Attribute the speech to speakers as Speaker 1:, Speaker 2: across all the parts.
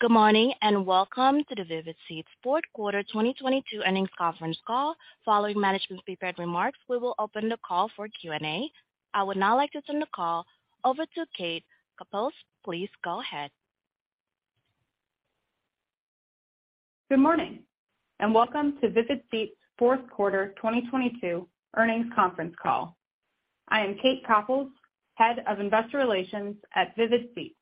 Speaker 1: Good morning, welcome to the Vivid Seats fourth quarter 2022 earnings conference call. Following management's prepared remarks, we will open the call for Q&A. I would now like to turn the call over to Kate Copouls. Please go ahead.
Speaker 2: Good morning, welcome to Vivid Seats fourth quarter 2022 earnings conference call. I am Kate Copouls, Head of Investor Relations at Vivid Seats.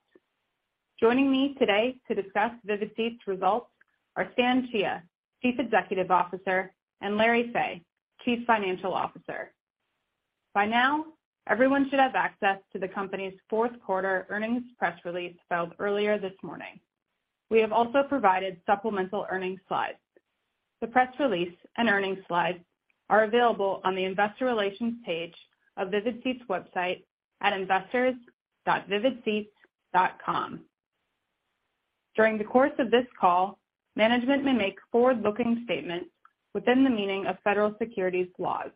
Speaker 2: Joining me today to discuss Vivid Seats results are Stan Chia, Chief Executive Officer, and Larry Fey, Chief Financial Officer. By now, everyone should have access to the company's fourth quarter earnings press release filed earlier this morning. We have also provided supplemental earnings slides. The press release and earnings slides are available on the investor relations page of Vivid Seats website at investors.vividseats.com. During the course of this call, management may make forward-looking statements within the meaning of Federal Securities laws.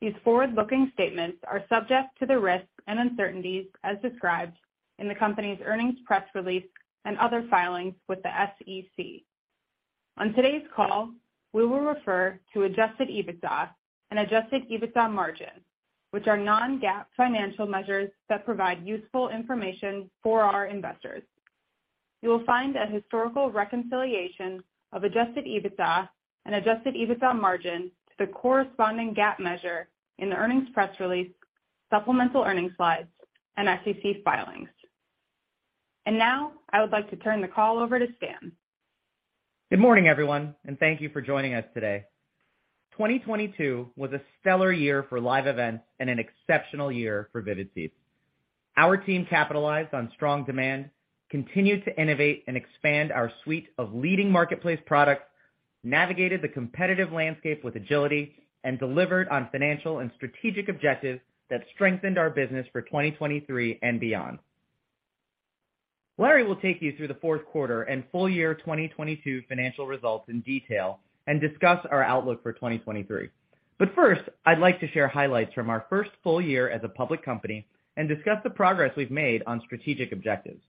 Speaker 2: These forward-looking statements are subject to the risks and uncertainties as described in the company's earnings press release and other filings with the SEC. On today's call, we will refer to adjusted EBITDA and adjusted EBITDA margin, which are non-GAAP financial measures that provide useful information for our investors. You will find a historical reconciliation of adjusted EBITDA and adjusted EBITDA margin to the corresponding GAAP measure in the earnings press release, supplemental earnings slides and SEC filings. Now I would like to turn the call over to Stan.
Speaker 3: Good morning, everyone, and thank you for joining us today. 2022 was a stellar year for live events and an exceptional year for Vivid Seats. Our team capitalized on strong demand, continued to innovate and expand our suite of leading marketplace products, navigated the competitive landscape with agility, and delivered on financial and strategic objectives that strengthened our business for 2023 and beyond. Larry will take you through the fourth quarter and full year 2022 financial results in detail and discuss our outlook for 2023. First, I'd like to share highlights from our first full year as a public company and discuss the progress we've made on strategic objectives.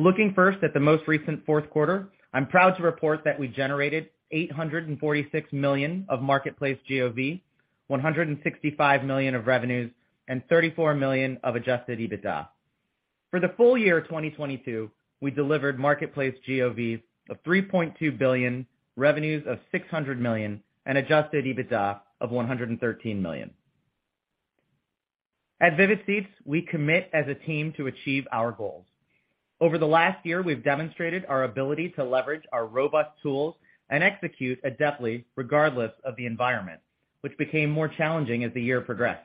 Speaker 3: Looking first at the most recent fourth quarter, I'm proud to report that we generated $846 million of marketplace GOV, $165 million of revenues, and $34 million of adjusted EBITDA. For the full year 2022, we delivered marketplace GOVs of $3.2 billion, revenues of $600 million, and adjusted EBITDA of $113 million. At Vivid Seats, we commit as a team to achieve our goals. Over the last year, we've demonstrated our ability to leverage our robust tools and execute adeptly regardless of the environment, which became more challenging as the year progressed.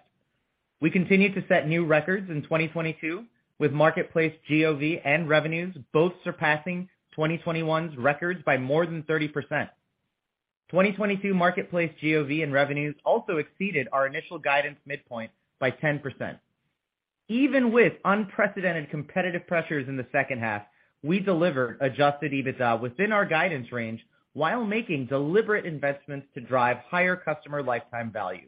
Speaker 3: We continued to set new records in 2022 with marketplace GOV and revenues both surpassing 2021's records by more than 30%. 2022 marketplace GOV and revenues also exceeded our initial guidance midpoint by 10%. Even with unprecedented competitive pressures in the second half, we delivered adjusted EBITDA within our guidance range while making deliberate investments to drive higher customer lifetime value.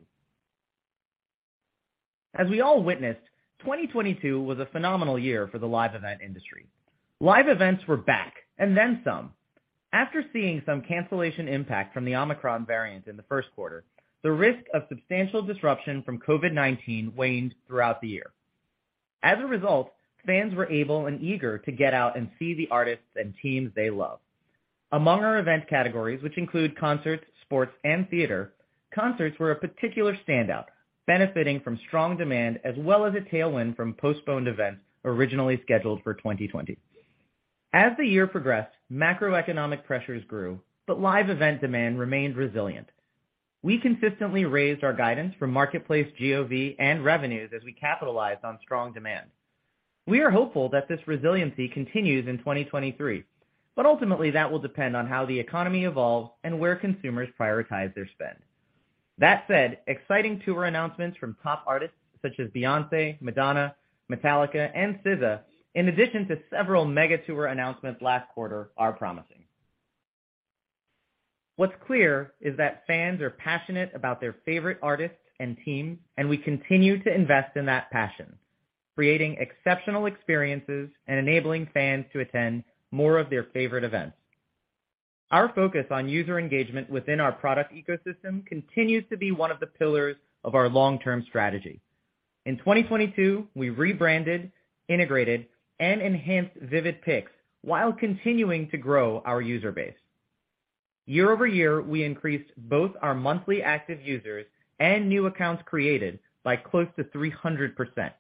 Speaker 3: As we all witnessed, 2022 was a phenomenal year for the live event industry. Live events were back and then some. After seeing some cancellation impact from the Omicron variant in the first quarter, the risk of substantial disruption from COVID-19 waned throughout the year. As a result, fans were able and eager to get out and see the artists and teams they love. Among our event categories, which include concerts, sports, and theater, concerts were a particular standout, benefiting from strong demand as well as a tailwind from postponed events originally scheduled for 2020. As the year progressed, macroeconomic pressures grew, but live event demand remained resilient. We consistently raised our guidance from marketplace GOV and revenues as we capitalized on strong demand. We are hopeful that this resiliency continues in 2023, but ultimately that will depend on how the economy evolves and where consumers prioritize their spend. That said, exciting tour announcements from top artists such as Beyoncé, Madonna, Metallica, and SZA, in addition to several mega tour announcements last quarter, are promising. What's clear is that fans are passionate about their favorite artists and teams, and we continue to invest in that passion, creating exceptional experiences and enabling fans to attend more of their favorite events. Our focus on user engagement within our product ecosystem continues to be one of the pillars of our long-term strategy. In 2022, we rebranded, integrated, and enhanced Vivid Picks while continuing to grow our user base. Year-over-year, we increased both our monthly active users and new accounts created by close to 300%.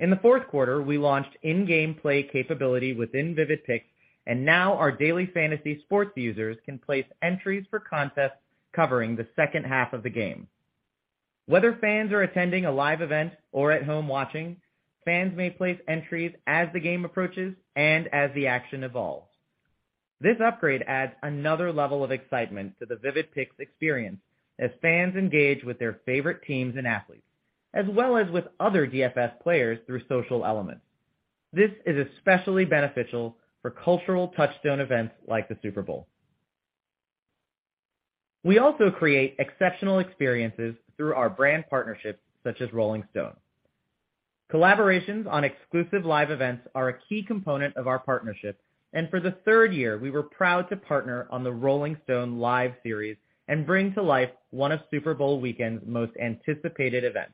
Speaker 3: In the fourth quarter, we launched in-game play capability within Vivid Picks, and now our daily fantasy sports users can place entries for contests covering the second half of the game. Whether fans are attending a live event or at home watching, fans may place entries as the game approaches and as the action evolves. This upgrade adds another level of excitement to the Vivid Picks experience as fans engage with their favorite teams and athletes, as well as with other DFS players through social elements. This is especially beneficial for cultural touchstone events like the Super Bowl. We also create exceptional experiences through our brand partnerships such as Rolling Stone. Collaborations on exclusive live events are a key component of our partnership, and for the third year, we were proud to partner on the Rolling Stone Live series and bring to life one of Super Bowl weekend's most anticipated events.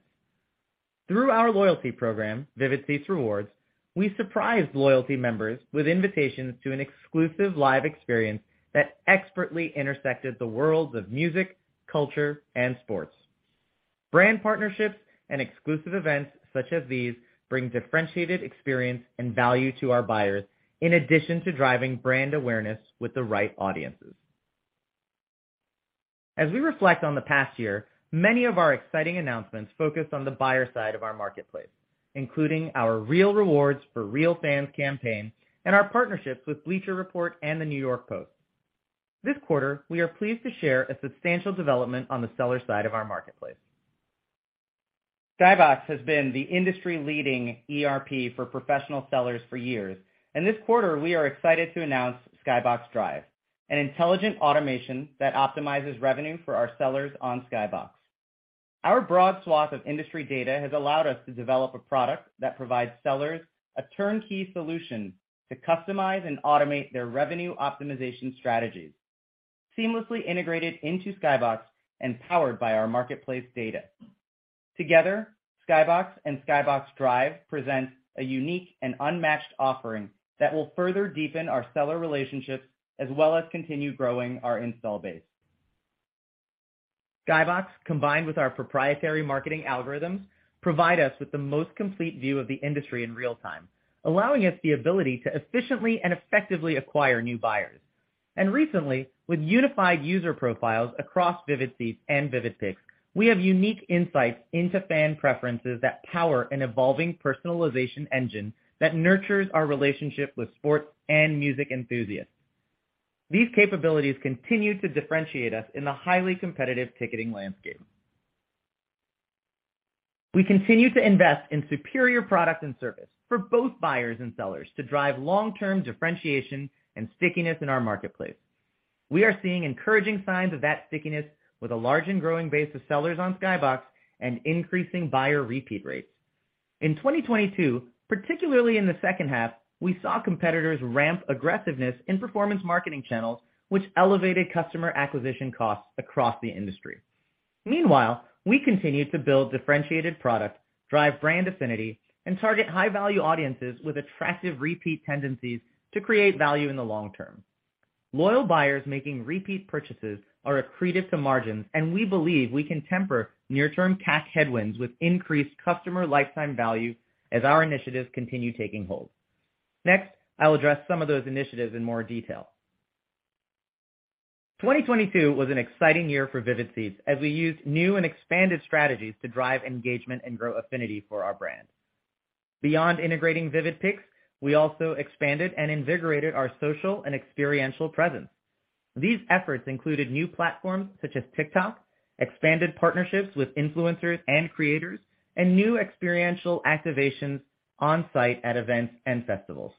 Speaker 3: Through our loyalty program, Vivid Seats Rewards, we surprised loyalty members with invitations to an exclusive live experience that expertly intersected the worlds of music, culture, and sports. Brand partnerships and exclusive events such as these bring differentiated experience and value to our buyers in addition to driving brand awareness with the right audiences. As we reflect on the past year, many of our exciting announcements focus on the buyer side of our marketplace, including our Real Rewards for Real Fans campaign and our partnerships with Bleacher Report and the New York Post. This quarter, we are pleased to share a substantial development on the seller side of our marketplace. Skybox has been the industry-leading ERP for professional sellers for years, and this quarter we are excited to announce Skybox Drive, an intelligent automation that optimizes revenue for our sellers on Skybox. Our broad swath of industry data has allowed us to develop a product that provides sellers a turnkey solution to customize and automate their revenue optimization strategies, seamlessly integrated into Skybox and powered by our marketplace data. Together, Skybox and Skybox Drive present a unique and unmatched offering that will further deepen our seller relationships as well as continue growing our install base. Skybox, combined with our proprietary marketing algorithms, provide us with the most complete view of the industry in real time, allowing us the ability to efficiently and effectively acquire new buyers. Recently, with unified user profiles across Vivid Seats and Vivid Picks, we have unique insights into fan preferences that power an evolving personalization engine that nurtures our relationship with sports and music enthusiasts. These capabilities continue to differentiate us in the highly competitive ticketing landscape. We continue to invest in superior product and service for both buyers and sellers to drive long-term differentiation and stickiness in our marketplace. We are seeing encouraging signs of that stickiness with a large and growing base of sellers on Skybox and increasing buyer repeat rates. In 2022, particularly in the second half, we saw competitors ramp aggressiveness in performance marketing channels, which elevated customer acquisition costs across the industry. Meanwhile, we continued to build differentiated product, drive brand affinity, and target high-value audiences with attractive repeat tendencies to create value in the long term. Loyal buyers making repeat purchases are accretive to margins, and we believe we can temper near-term cash headwinds with increased customer lifetime value as our initiatives continue taking hold. Next, I'll address some of those initiatives in more detail. 2022 was an exciting year for Vivid Seats as we used new and expanded strategies to drive engagement and grow affinity for our brand. Beyond integrating Vivid Picks, we also expanded and invigorated our social and experiential presence. These efforts included new platforms such as TikTok, expanded partnerships with influencers and creators, and new experiential activations on site at events and festivals.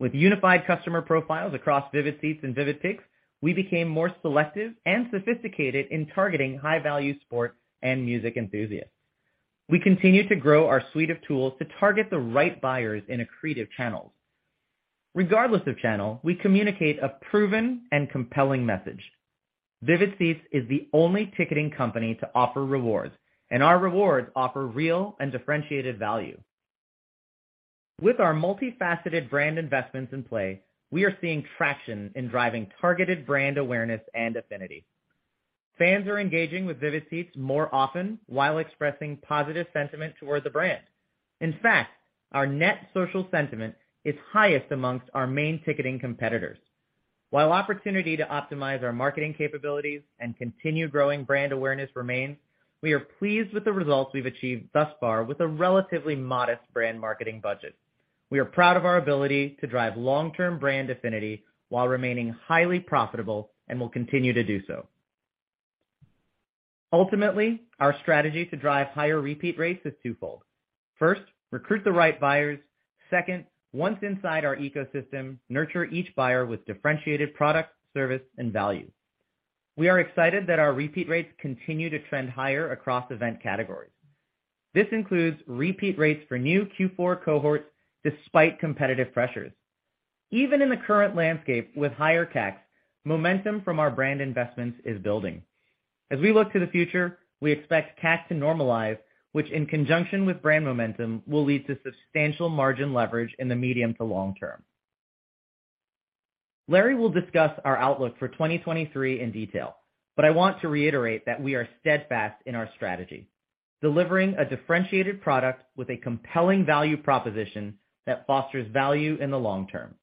Speaker 3: With unified customer profiles across Vivid Seats and Vivid Picks, we became more selective and sophisticated in targeting high-value sports and music enthusiasts. We continued to grow our suite of tools to target the right buyers in accretive channels. Regardless of channel, we communicate a proven and compelling message. Vivid Seats is the only ticketing company to offer rewards, and our rewards offer real and differentiated value. With our multifaceted brand investments in play, we are seeing traction in driving targeted brand awareness and affinity. Fans are engaging with Vivid Seats more often while expressing positive sentiment towards the brand. In fact, our net social sentiment is highest amongst our main ticketing competitors. While opportunity to optimize our marketing capabilities and continue growing brand awareness remains, we are pleased with the results we've achieved thus far with a relatively modest brand marketing budget. We are proud of our ability to drive long-term brand affinity while remaining highly profitable, and will continue to do so. Ultimately, our strategy to drive higher repeat rates is two fold. First, recruit the right buyers. Second, once inside our ecosystem, nurture each buyer with differentiated product, service, and value. We are excited that our repeat rates continue to trend higher across event categories. This includes repeat rates for new Q4 cohorts despite competitive pressures. Even in the current landscape with higher tax, momentum from our brand investments is building. As we look to the future, we expect tax to normalize, which in conjunction with brand momentum, will lead to substantial margin leverage in the medium to long term. Larry will discuss our outlook for 2023 in detail, but I want to reiterate that we are steadfast in our strategy, delivering a differentiated product with a compelling value proposition that fosters value in the long term.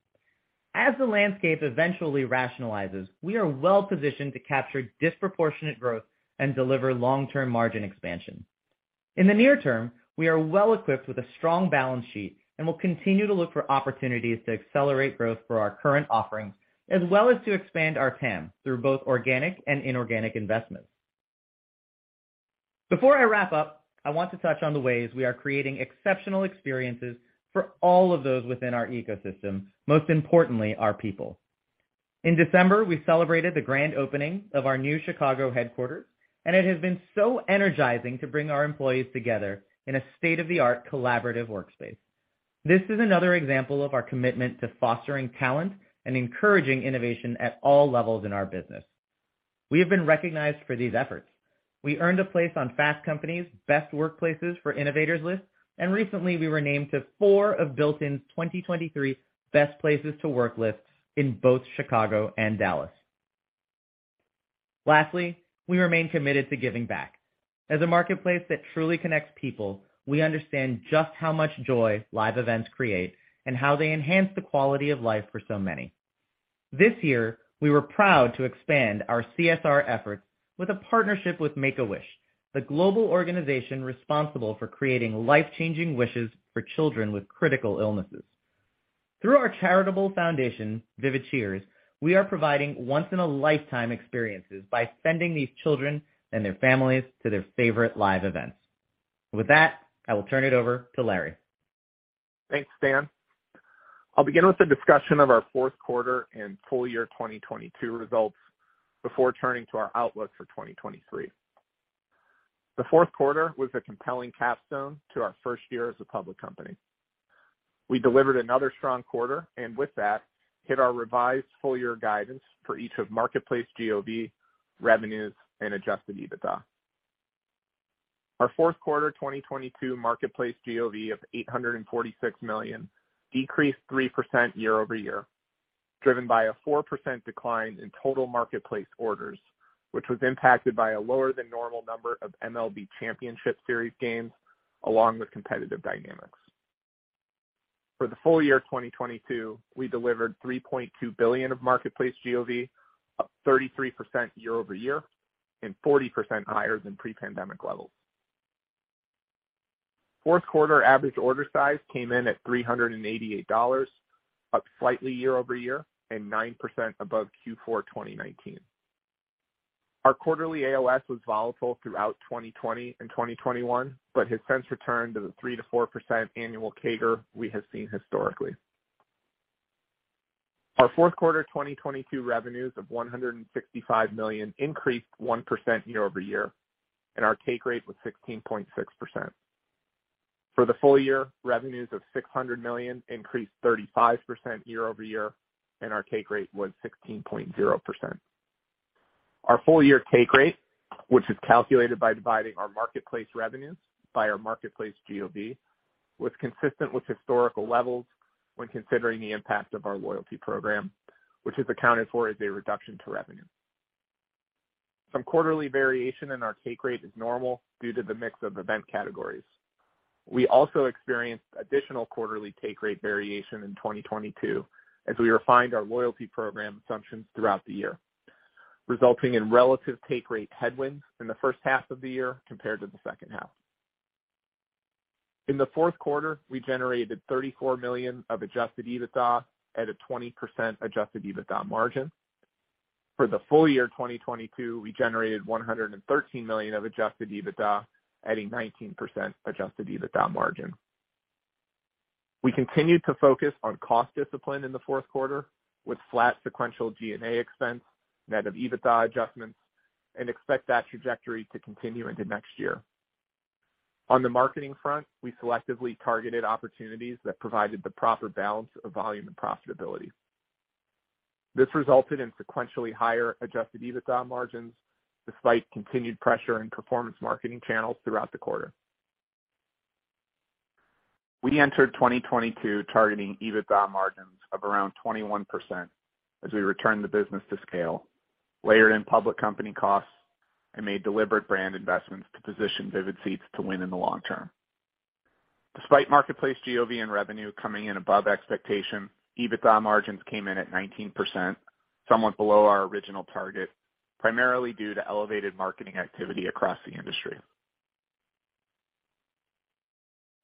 Speaker 3: As the landscape eventually rationalizes, we are well-positioned to capture disproportionate growth and deliver long-term margin expansion. In the near term, we are well-equipped with a strong balance sheet and will continue to look for opportunities to accelerate growth for our current offerings as well as to expand our TAM through both organic and inorganic investments. Before I wrap up, I want to touch on the ways we are creating exceptional experiences for all of those within our ecosystem, most importantly, our people. In December, we celebrated the grand opening of our new Chicago headquarters, and it has been so energizing to bring our employees together in a state-of-the-art collaborative workspace. This is another example of our commitment to fostering talent and encouraging innovation at all levels in our business. We have been recognized for these efforts. We earned a place on Fast Company's Best Workplaces for Innovators list, and recently, we were named to four of Built In's 2023 Best Places to Work lists in both Chicago and Dallas. Lastly, we remain committed to giving back. As a marketplace that truly connects people, we understand just how much joy live events create and how they enhance the quality of life for so many. This year, we were proud to expand our CSR efforts with a partnership with Make-A-Wish, the global organization responsible for creating life-changing wishes for children with critical illnesses. Through our charitable foundation, Vivid Cheers, we are providing once-in-a-lifetime experiences by sending these children and their families to their favorite live events. With that, I will turn it over to Larry.
Speaker 4: Thanks, Dan. I'll begin with a discussion of our fourth quarter and full year 2022 results before turning to our outlook for 2023. The fourth quarter was a compelling capstone to our first year as a public company. We delivered another strong quarter, and with that, hit our revised full year guidance for each of marketplace GOV, revenues, and adjusted EBITDA. Our fourth quarter 2022 marketplace GOV of $846 million decreased 3% year-over-year, driven by a 4% decline in total marketplace orders, which was impacted by a lower than normal number of MLB Championship Series games, along with competitive dynamics. For the full year 2022, we delivered $3.2 billion of marketplace GOV, up 33% year-over-year and 40% higher than pre-pandemic levels. Fourth quarter average order size came in at $388, up slightly year-over-year and 9% above Q4 2019. Our quarterly AOS was volatile throughout 2020 and 2021 but has since returned to the 3%-4% annual CAGR we have seen historically. Our fourth quarter 2022 revenues of $165 million increased 1% year-over-year, and our take rate was 16.6%. For the full year, revenues of $600 million increased 35% year-over-year, and our take rate was 16.0%. Our full year take rate, which is calculated by dividing our marketplace revenues by our marketplace GOV, was consistent with historical levels when considering the impact of our loyalty program, which is accounted for as a reduction to revenue. Some quarterly variation in our take rate is normal due to the mix of event categories. We also experienced additional quarterly take rate variation in 2022 as we refined our loyalty program assumptions throughout the year, resulting in relative take rate headwinds in the first half of the year compared to the second half. In the fourth quarter, we generated $34 million of adjusted EBITDA at a 20% adjusted EBITDA margin. For the full year 2022, we generated $113 million of adjusted EBITDA at a 19% adjusted EBITDA margin. We continued to focus on cost discipline in the fourth quarter with flat sequential G&A expense, net of EBITDA adjustments, and expect that trajectory to continue into next year. On the marketing front, we selectively targeted opportunities that provided the proper balance of volume and profitability. This resulted in sequentially higher adjusted EBITDA margins despite continued pressure in performance marketing channels throughout the quarter. We entered 2022 targeting EBITDA margins of around 21% as we returned the business to scale, layered in public company costs and made deliberate brand investments to position Vivid Seats to win in the long term. Despite marketplace GOV and revenue coming in above expectation, EBITDA margins came in at 19%, somewhat below our original target, primarily due to elevated marketing activity across the industry.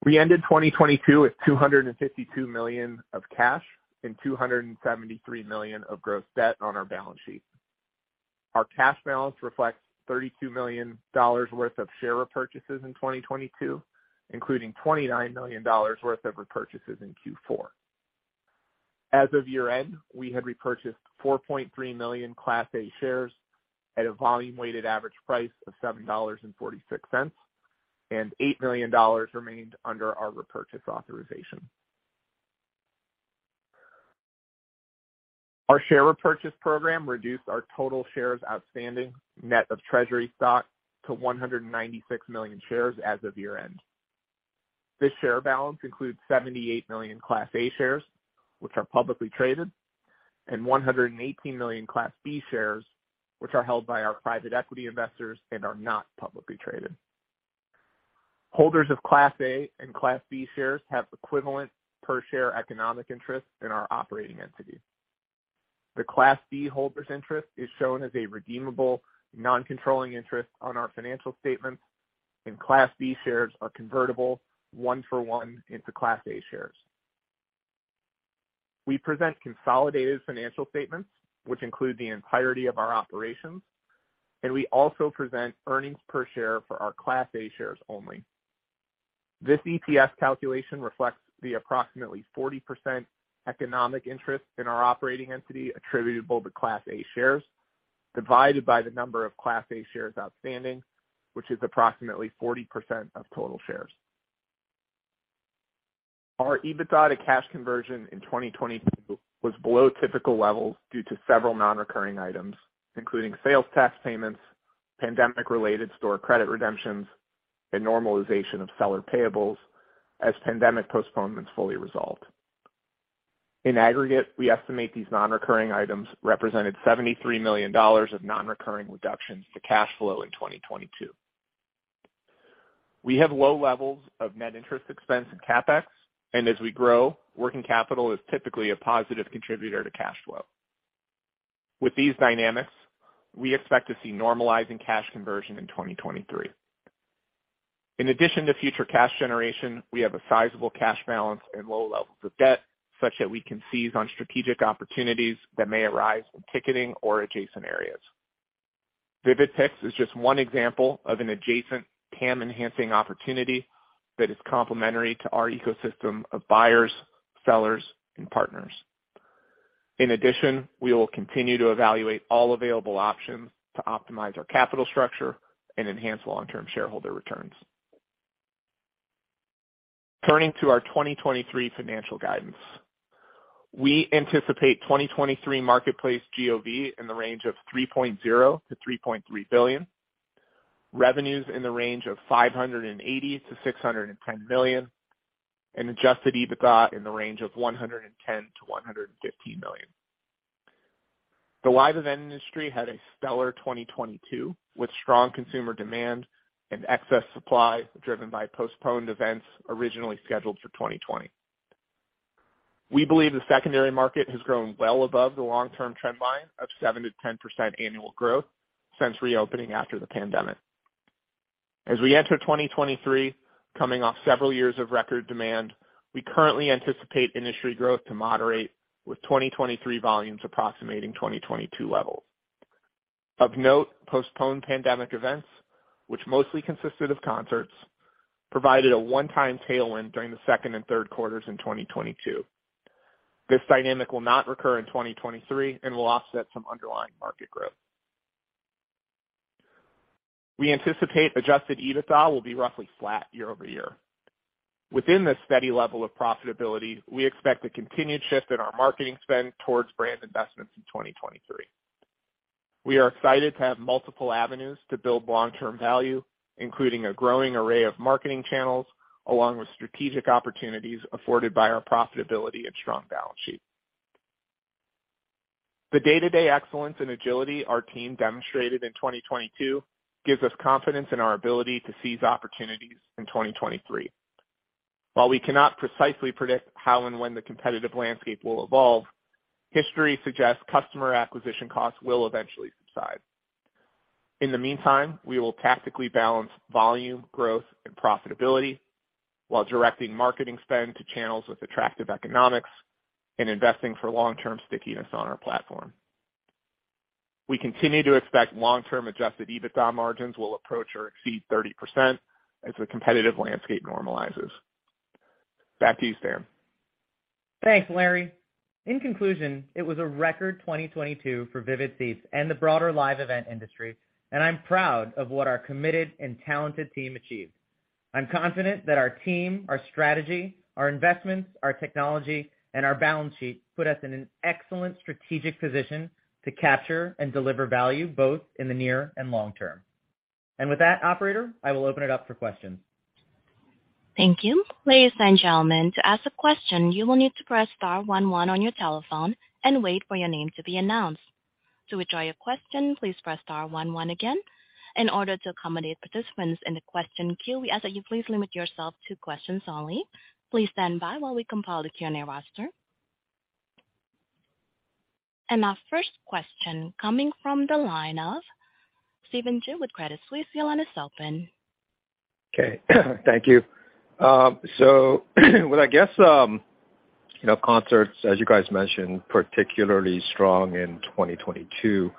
Speaker 4: We ended 2022 with $252 million of cash and $273 million of gross debt on our balance sheet. Our cash balance reflects $32 million worth of share repurchases in 2022, including $29 million worth of repurchases in Q4. As of year-end, we had repurchased 4.3 million Class A shares at a volume-weighted average price of $7.46, and $8 million remained under our repurchase authorization. Our share repurchase program reduced our total shares outstanding net of treasury stock to 196 million shares as of year-end. This share balance includes 78 million Class A shares, which are publicly traded, and 118 million Class B shares, which are held by our private equity investors and are not publicly traded. Holders of Class A and Class B shares have equivalent per share economic interest in our operating entity. The Class B holder's interest is shown as a redeemable non-controlling interest on our financial statements, and Class B shares are convertible one-for-one into Class A shares. We present consolidated financial statements, which include the entirety of our operations, and we also present earnings per share for our Class A shares only. This EPS calculation reflects the approximately 40% economic interest in our operating entity attributable to Class A shares, divided by the number of Class A shares outstanding, which is approximately 40% of total shares. Our EBITDA to cash conversion in 2022 was below typical levels due to several non-recurring items, including sales tax payments, pandemic-related store credit redemptions, and normalization of seller payables as pandemic postponements fully resolved. In aggregate, we estimate these non-recurring items represented $73 million of non-recurring reductions to cash flow in 2022. We have low levels of net interest expense and CapEx. As we grow, working capital is typically a positive contributor to cash flow. With these dynamics, we expect to see normalizing cash conversion in 2023. In addition to future cash generation, we have a sizable cash balance and low levels of debt such that we can seize on strategic opportunities that may arise in ticketing or adjacent areas. Vivid Seats is just one example of an adjacent TAM-enhancing opportunity that is complementary to our ecosystem of buyers, sellers, and partners. In addition, we will continue to evaluate all available options to optimize our capital structure and enhance long-term shareholder returns. Turning to our 2023 financial guidance. We anticipate 2023 marketplace GOV in the range of $3.0 billion-$3.3 billion, revenues in the range of $580 million-$610 million, and adjusted EBITDA in the range of $110 million-$115 million. The live event industry had a stellar 2022, with strong consumer demand and excess supply driven by postponed events originally scheduled for 2020. We believe the secondary market has grown well above the long-term trend line of 7%-10% annual growth since reopening after the pandemic. As we enter 2023, coming off several years of record demand, we currently anticipate industry growth to moderate with 2023 volumes approximating 2022 levels. Of note, postponed pandemic events, which mostly consisted of concerts, provided a one-time tailwind during the second and third quarters in 2022. This dynamic will not recur in 2023 and will offset some underlying market growth. We anticipate adjusted EBITDA will be roughly flat year-over-year. Within this steady level of profitability, we expect a continued shift in our marketing spend towards brand investments in 2023. We are excited to have multiple avenues to build long-term value, including a growing array of marketing channels, along with strategic opportunities afforded by our profitability and strong balance sheet. The day-to-day excellence and agility our team demonstrated in 2022 gives us confidence in our ability to seize opportunities in 2023. While we cannot precisely predict how and when the competitive landscape will evolve, history suggests customer acquisition costs will eventually subside. In the meantime, we will tactically balance volume, growth, and profitability while directing marketing spend to channels with attractive economics and investing for long-term stickiness on our platform. We continue to expect long-term adjusted EBITDA margins will approach or exceed 30% as the competitive landscape normalizes. Back to you, Stan.
Speaker 3: Thanks, Larry. In conclusion, it was a record 2022 for Vivid Seats and the broader live event industry, and I'm proud of what our committed and talented team achieved. I'm confident that our team, our strategy, our investments, our technology, and our balance sheet put us in an excellent strategic position to capture and deliver value both in the near and long term. With that, operator, I will open it up for questions.
Speaker 1: Thank you. Ladies and gentlemen, to ask a question, you will need to press star one one on your telephone and wait for your name to be announced. To withdraw your question, please press star one one again. In order to accommodate participants in the question queue, we ask that you please limit yourself to questions only. Please stand by while we compile the Q&A roster. Our first question coming from the line of Stephen Ju with Credit Suisse. Your line is open.
Speaker 5: Okay. Thank you. Well, I guess, you know, concerts, as you guys mentioned, particularly strong in 2022.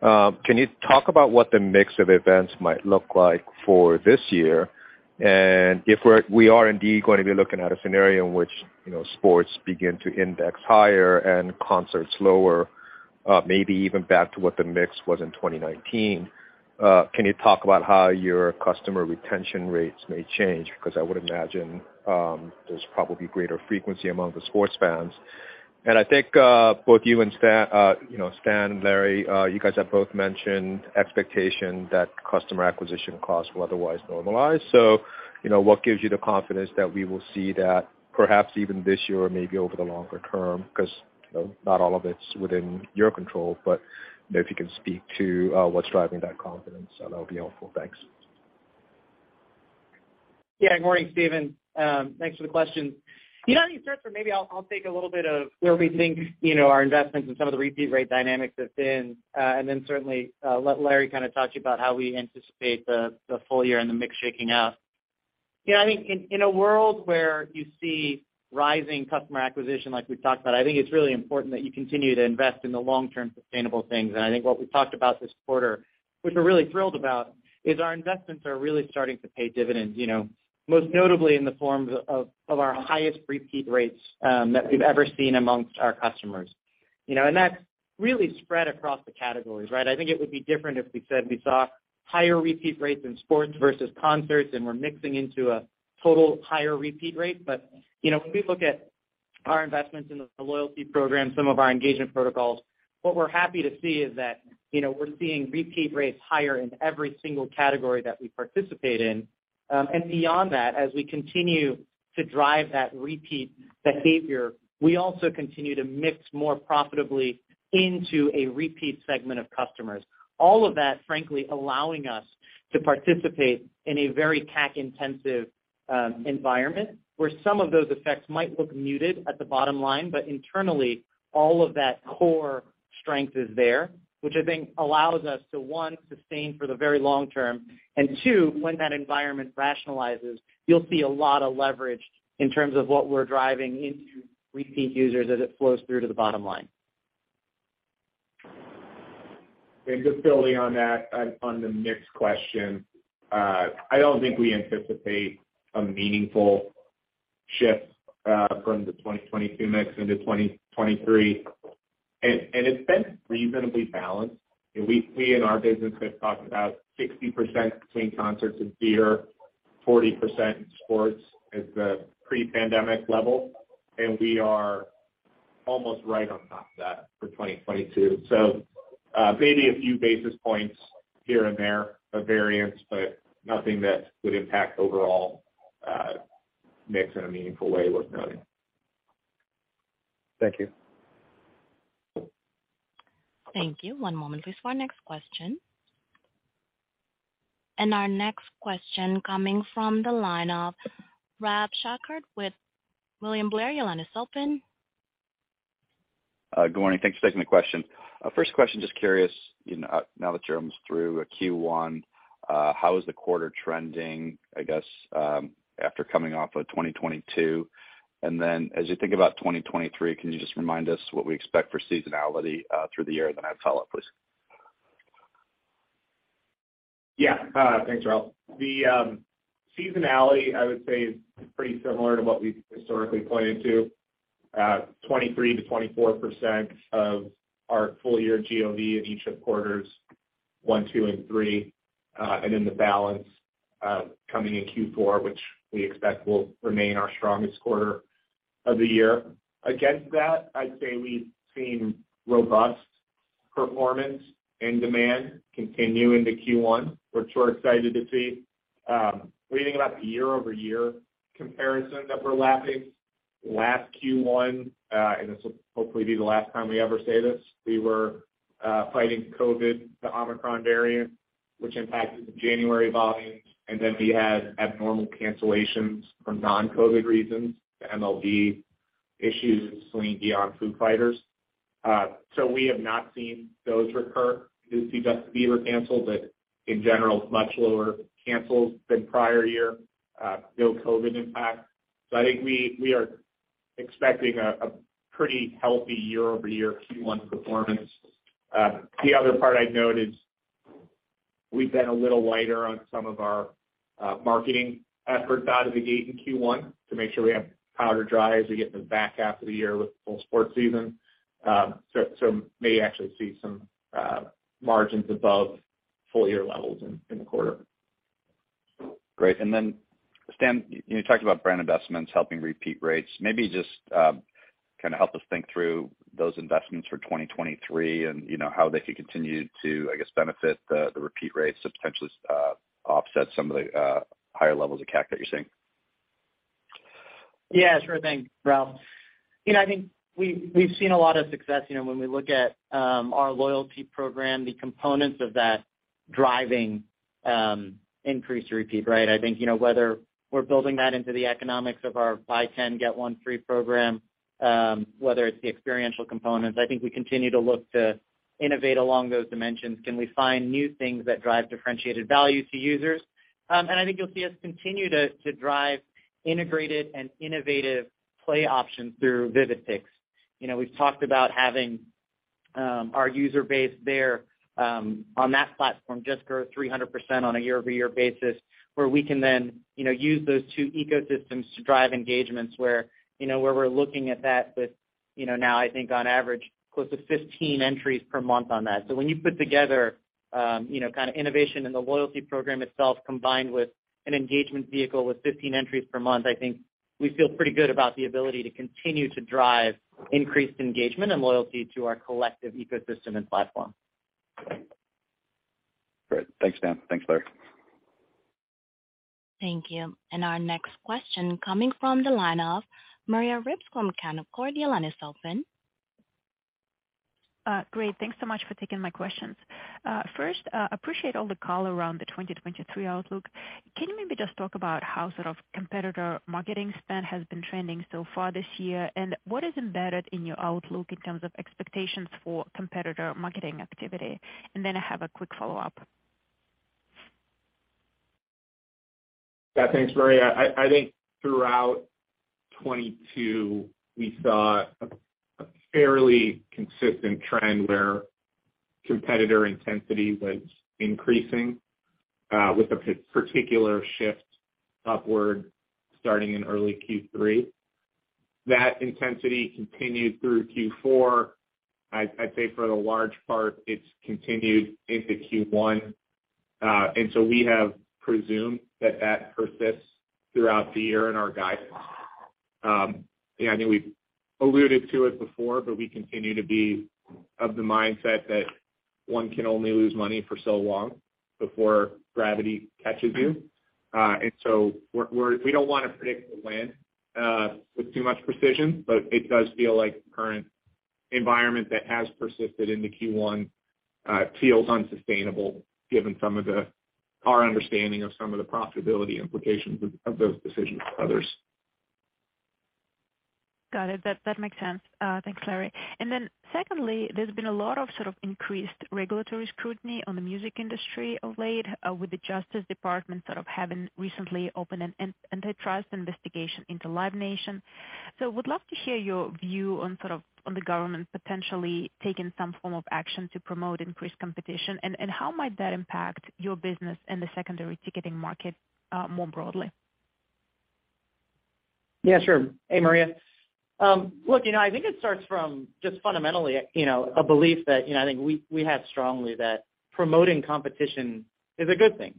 Speaker 5: Can you talk about what the mix of events might look like for this year? If we're, we are indeed going to be looking at a scenario in which, you know, sports begin to index higher and concerts lower, maybe even back to what the mix was in 2019, can you talk about how your customer retention rates may change? I would imagine, there's probably greater frequency among the sports fans. I think, both you and Stan and Larry, you guys have both mentioned expectation that customer acquisition costs will otherwise normalize. You know, what gives you the confidence that we will see that perhaps even this year or maybe over the longer term? You know, not all of it's within your control, but, you know, if you can speak to what's driving that confidence, that'll be helpful. Thanks.
Speaker 3: Good morning, Stephen. Thanks for the question. You know what, you start for maybe I'll take a little bit of where we think, you know, our investments and some of the repeat rate dynamics have been, and then certainly, I'll let Larry Fey kind of talk to you about how we anticipate the full year and the mix shaking out. I think in a world where you see rising customer acquisition like we've talked about, I think it's really important that you continue to invest in the long-term sustainable things. I think what we talked about this quarter, which we're really thrilled about, is our investments are really starting to pay dividends, you know, most notably in the forms of our highest repeat rates that we've ever seen amongst our customers. You know, that's really spread across the categories, right? I think it would be different if we said we saw higher repeat rates in sports versus concerts, and we're mixing into a total higher repeat rate. You know, when we look at our investments in the loyalty program, some of our engagement protocols, what we're happy to see is that, you know, we're seeing repeat rates higher in every single category that we participate in. Beyond that, as we continue to drive that repeat behavior, we also continue to mix more profitably into a repeat segment of customers. All of that, frankly, allowing us to participate in a very CAC-intensive environment, where some of those effects might look muted at the bottom line. Internally, all of that core strength is there, which I think allows us to, one, sustain for the very long term. Two, when that environment rationalizes, you'll see a lot of leverage in terms of what we're driving into repeat users as it flows through to the bottom line.
Speaker 4: Just building on that, on the mix question. I don't think we anticipate a meaningful shift from the 2022 mix into 2023. It's been reasonably balanced. In our business, have talked about 60% between concerts and theater, 40% in sports as the pre-pandemic level, and we are almost right on top of that for 2022. Maybe a few basis points here and there of variance, but nothing that would impact overall mix in a meaningful way worth noting.
Speaker 5: Thank you.
Speaker 1: Thank you. One moment, please, for our next question. Our next question coming from the line of Ralph Schackart with William Blair. Your line is open.
Speaker 6: Good morning. Thanks for taking the question. First question, just curious, you know, now that you're almost through Q1, how is the quarter trending, I guess, after coming off of 2022? As you think about 2023, can you just remind us what we expect for seasonality through the year? I have a follow-up, please.
Speaker 4: Thanks, Ralph. The seasonality I would say is pretty similar to what we've historically pointed to, 23%-24% of our full year GOV in each of quarters one, two, and three. The balance, coming in Q4, which we expect will remain our strongest quarter of the year. Against that, I'd say we've seen robust performance and demand continue into Q1, which we're excited to see. When you think about the year-over-year comparison that we're lapping, last Q1, and this will hopefully be the last time we ever say this, we were fighting COVID, the Omicron variant, which impacted the January volumes, and then we had abnormal cancellations for non-COVID reasons, the MLB issues, Celine Dion, Foo Fighters. We have not seen those recur. You did see Justin Bieber cancel. In general, much lower cancels than prior year. No COVID impact. I think we are expecting a pretty healthy year-over-year Q1 performance. The other part I'd note is we've been a little lighter on some of our marketing efforts out of the gate in Q1 to make sure we have powder dry as we get in the back half of the year with the full sports season. May actually see some margins above full year levels in the quarter.
Speaker 6: Great. Stan, you talked about brand investments helping repeat rates. Maybe just kind of help us think through those investments for 2023 and, you know, how they could continue to, I guess, benefit the repeat rates to potentially offset some of the higher levels of CAC that you're seeing.
Speaker 3: Yeah, sure thing, Ralph. You know, I think we've seen a lot of success, you know, when we look at our loyalty program, the components of that driving increased repeat, right? I think, you know, whether we're building that into the economics of our buy 10, get one free program, whether it's the experiential components, I think we continue to look to innovate along those dimensions. Can we find new things that drive differentiated value to users? I think you'll see us continue to drive integrated and innovative play options through Vivid Seats. You know, we've talked about having our user base there on that platform just grow 300% on a year-over-year basis, where we can then, you know, use those two ecosystems to drive engagements where, you know, where we're looking at that with, you know, now I think on average, close to 15 entries per month on that. When you put together, you know, kind of innovation in the loyalty program itself, combined with an engagement vehicle with 15 entries per month, I think we feel pretty good about the ability to continue to drive increased engagement and loyalty to our collective ecosystem and platform.
Speaker 6: Great. Thanks, Stan. Thanks, Larry.
Speaker 1: Thank you. Our next question coming from the line of Maria Ripps from Canaccord. Your line is open.
Speaker 7: Great. Thanks so much for taking my questions. First, appreciate all the color around the 2023 outlook. Can you maybe just talk about how sort of competitor marketing spend has been trending so far this year? What is embedded in your outlook in terms of expectations for competitor marketing activity? Then I have a quick follow-up.
Speaker 4: Yeah, thanks, Maria. I think throughout 2022, we saw a fairly consistent trend where competitor intensity was increasing, with a particular shift upward starting in early Q3. That intensity continued through Q4. I'd say for the large part, it's continued into Q1. We have presumed that that persists throughout the year in our guidance. Yeah, I think we've alluded to it before, we continue to be of the mindset that one can only lose money for so long before gravity catches you. We don't wanna predict the when with too much precision, it does feel like the current environment that has persisted into Q1, feels unsustainable given some of our understanding of some of the profitability implications of those decisions for others.
Speaker 7: Got it. That makes sense. Thanks, Larry. Secondly, there's been a lot of sort of increased regulatory scrutiny on the music industry of late, with the Justice Department sort of having recently opened an antitrust investigation into Live Nation. Would love to hear your view on the government potentially taking some form of action to promote increased competition, and how might that impact your business and the secondary ticketing market, more broadly?
Speaker 3: Yeah, sure. Hey, Maria. look, you know, I think it starts from just fundamentally, you know, a belief that, you know, I think we have strongly that promoting competition is a good thing.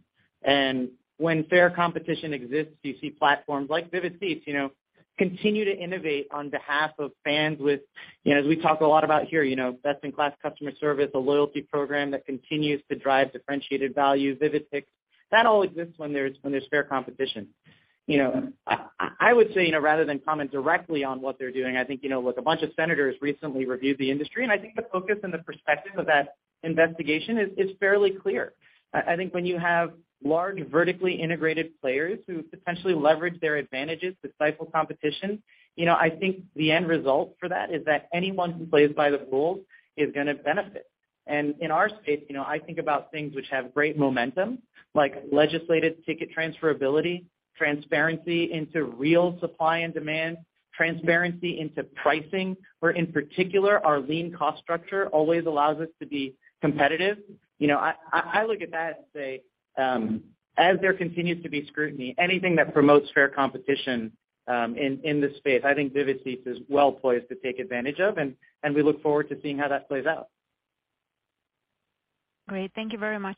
Speaker 3: When fair competition exists, you see platforms like Vivid Seats, you know, continue to innovate on behalf of fans with, you know, as we talk a lot about here, you know, best-in-class customer service, a loyalty program that continues to drive differentiated value, Vivid Picks. That all exists when there's fair competition. You know, I would say, you know, rather than comment directly on what they're doing, I think, you know, look, a bunch of senators recently reviewed the industry, and I think the focus and the perspective of that investigation is fairly clear. I think when you have large, vertically integrated players who potentially leverage their advantages to stifle competition, you know, I think the end result for that is that anyone who plays by the rules is gonna benefit. In our space, you know, I think about things which have great momentum, like legislated ticket transferability, transparency into real supply and demand, transparency into pricing, where in particular our lean cost structure always allows us to be competitive. You know, I look at that and say, as there continues to be scrutiny, anything that promotes fair competition, in this space, I think Vivid Seats is well poised to take advantage of, and we look forward to seeing how that plays out.
Speaker 7: Great. Thank you very much.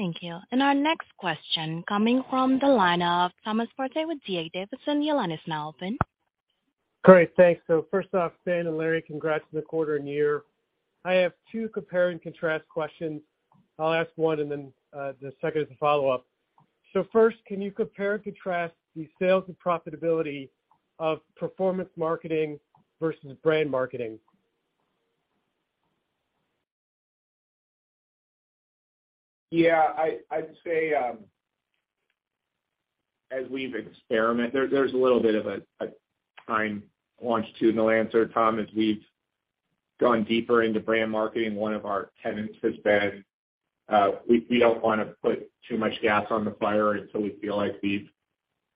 Speaker 1: Thank you. Our next question coming from the line of Thomas Forte with D.A. Davidson. Your line is now open.
Speaker 8: Great. Thanks. First off, Stan Chia and Larry Fey, congrats on the quarter and year. I have two compare and contrast questions. I'll ask one and then the second is a follow-up. First, can you compare and contrast the sales and profitability of performance marketing versus brand marketing?
Speaker 4: I'd say, as we've experiment... There's a little bit of a time longitudinal answer, Thomas. As we've gone deeper into brand marketing, one of our tenets has been, we don't wanna put too much gas on the fire until we feel like we've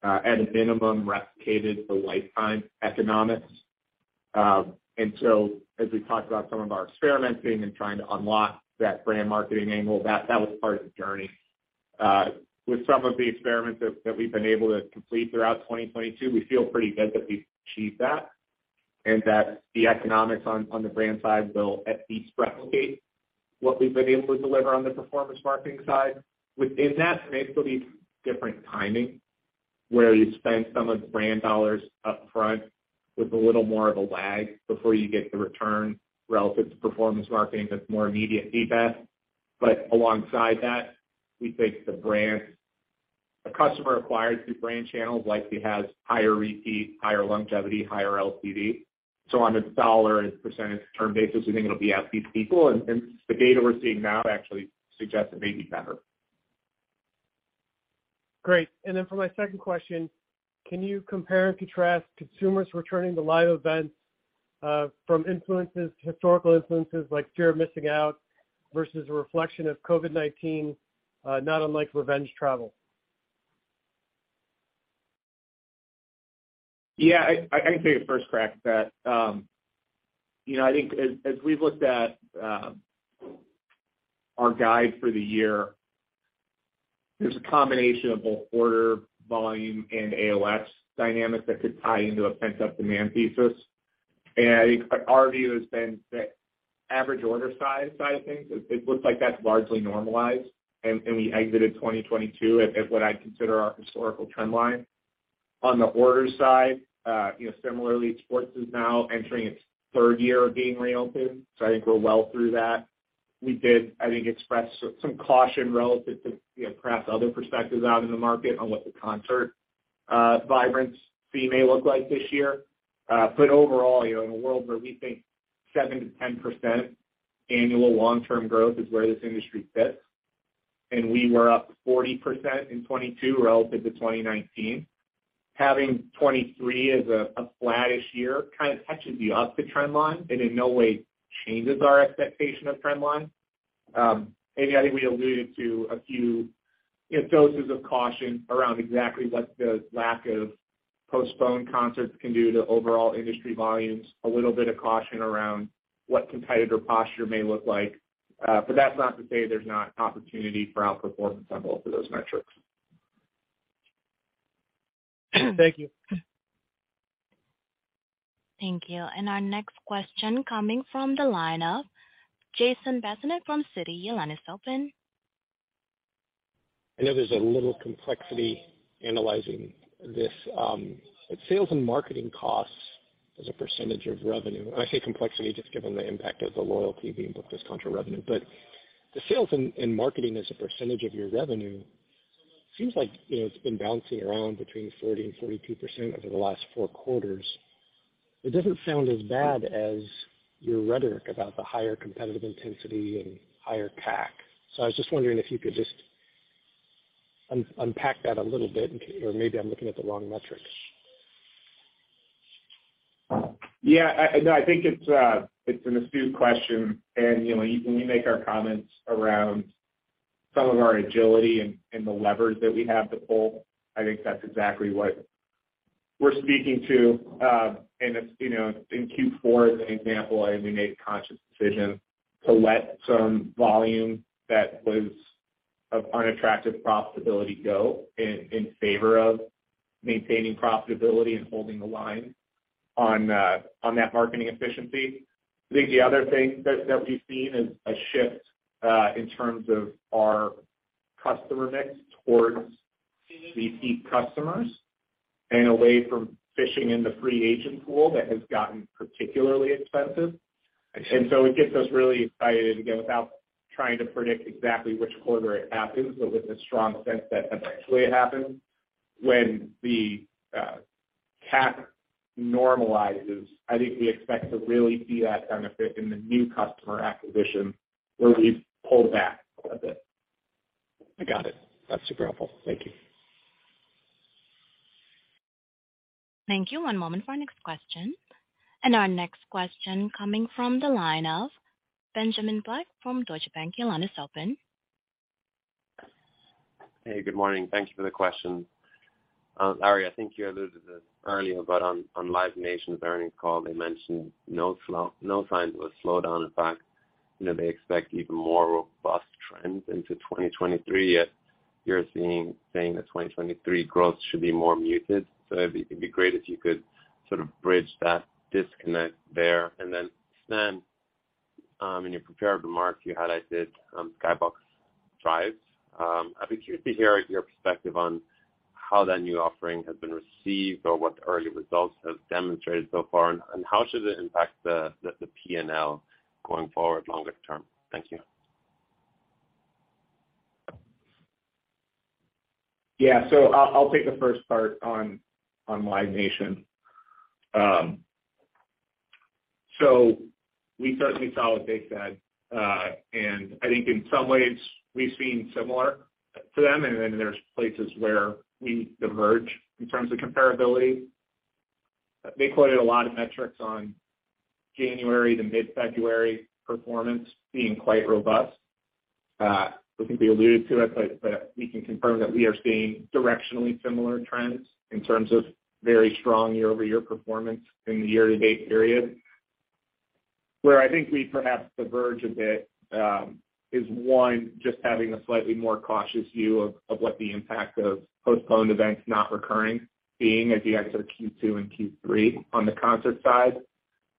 Speaker 4: at a minimum replicated the lifetime economics. As we've talked about some of our experimenting and trying to unlock that brand marketing angle, that was part of the journey. With some of the experiments that we've been able to complete throughout 2022, we feel pretty good that we've achieved that and that the economics on the brand side will at least replicate what we've been able to deliver on the performance marketing side. Within that, there may still be different timing, where you spend some of the brand dollars up front with a little more of a lag before you get the return relative to performance marketing that's more immediate feedback. Alongside that, we think a customer acquired through brand channels likely has higher repeat, higher longevity, higher LTV. On a dollar and percentage term basis, we think it'll be at least equal, and the data we're seeing now actually suggests it may be better.
Speaker 8: Great. For my second question, can you compare and contrast consumers returning to live events, from influences, historical influences like fear of missing out versus a reflection of COVID-19, not unlike revenge travel?
Speaker 4: Yeah, I can take a first crack at that. You know, I think as we've looked at, our guide for the year, there's a combination of both order volume and AOS dynamics that could tie into a pent-up demand thesis. I think our view has been that average order size side of things, it looks like that's largely normalized and we exited 2022 at what I'd consider our historical trend line. On the orders side, you know, similarly, sports is now entering its third year of being reopened, I think we're well through that. We did, I think, express some caution relative to, you know, perhaps other perspectives out in the market on what the concert vibrancy may look like this year. Overall, you know, in a world where we think 7%-10% annual long-term growth is where this industry fits, and we were up 40% in 2022 relative to 2019. Having 2023 as a flattish year kind of touches the up to trend line and in no way changes our expectation of trend line. Maybe I think we alluded to a few, you know, doses of caution around exactly what the lack of postponed concerts can do to overall industry volumes. A little bit of caution around what competitor posture may look like. That's not to say there's not opportunity for outperformance on both of those metrics.
Speaker 8: Thank you.
Speaker 1: Thank you. Our next question coming from the line of Jason Bazinet from Citi. Your line is open.
Speaker 9: I know there's a little complexity analyzing this, sales and marketing costs as a percentage of revenue. I say complexity just given the impact of the loyalty being booked as contra revenue. The sales and marketing as a percentage of your revenue seems like, you know, it's been bouncing around between 40% and 42% over the last four quarters. It doesn't sound as bad as your rhetoric about the higher competitive intensity and higher CAC. I was just wondering if you could just un-unpack that a little bit, or maybe I'm looking at the wrong metrics.
Speaker 4: Yeah. No, I think it's an astute question. You know, when we make our comments around some of our agility and the levers that we have to pull, I think that's exactly what we're speaking to. It's, you know, in Q4, as an example, I think we made a conscious decision to let some volume that was of unattractive profitability go in favor of maintaining profitability and holding the line on that marketing efficiency. I think the other thing that we've seen is a shift in terms of our customer mix towards repeat customers and away from fishing in the free agent pool that has gotten particularly expensive. It gets us really excited again, without trying to predict exactly which quarter it happens, but with a strong sense that eventually it happens. When the CAC normalizes, I think we expect to really see that benefit in the new customer acquisition where we've pulled back a bit.
Speaker 9: I got it. That's super helpful. Thank you.
Speaker 1: Thank you. One moment for our next question. Our next question coming from the line of Benjamin Black from Deutsche Bank. Your line is open.
Speaker 10: Hey, good morning. Thank you for the question. Larry, I think you alluded to this earlier, on Live Nation's earnings call, they mentioned no signs of a slowdown. In fact, you know, they expect even more robust trends into 2023, yet saying that 2023 growth should be more muted. It'd be great if you could sort of bridge that disconnect there. Then, Stan, in your prepared remarks, you highlighted Skybox Drive. I'd be curious to hear your perspective on how that new offering has been received or what the early results have demonstrated so far, and how should it impact the P&L going forward longer term? Thank you.
Speaker 4: I'll take the first part on Live Nation. We certainly saw what they said. I think in some ways we've seen similar to them, and then there's places where we diverge in terms of comparability. They quoted a lot of metrics on January to mid-February performance being quite robust. I think we alluded to it, but we can confirm that we are seeing directionally similar trends in terms of very strong year-over-year performance in the year-to-date period. Where I think we perhaps diverge a bit, is one, just having a slightly more cautious view of what the impact of postponed events not recurring being at the exit of Q2 and Q3 on the concert side.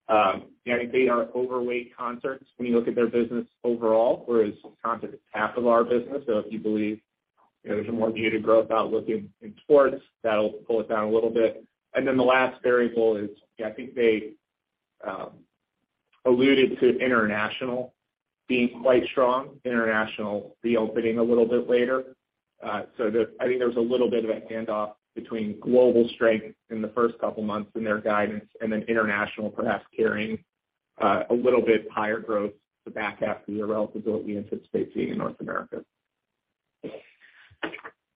Speaker 4: I think they are overweight concerts when you look at their business overall, whereas concerts are half of our business. If you believe there's a more muted growth outlook in sports, that'll pull it down a little bit. The last variable is, yeah, I think they alluded to international being quite strong, international reopening a little bit later. I think there's a little bit of a handoff between global strength in the first couple months in their guidance and then international perhaps carrying a little bit higher growth the back half of the year relative to what we anticipate seeing in North America.